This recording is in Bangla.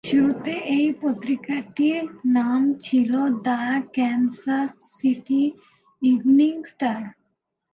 শুরুতে এই পত্রিকাটির নাম ছিল "the Kansas City Evening star".